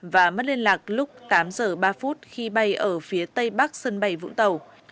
và mất liên lạc lúc tám giờ ba phút khi bay ở phía tây bắc sân bay vũng tàu